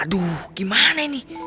aduh gimana ini